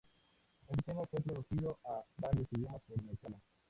Este tema fue traducido a varios idiomas por Mecano.